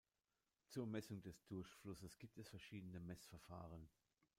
Zur Messung des Durchflusses gibt es verschiedene Messverfahren.